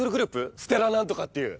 ステラなんとかっていう。